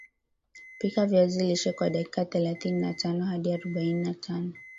pika viazi lishe kwa dakika thelatini na tano hadi arobaini na tano